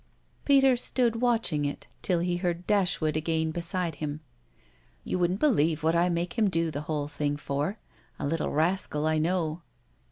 Peter stood watching it till he heard Dashwood again beside him. "You wouldn't believe what I make him do the whole thing for a little rascal I know."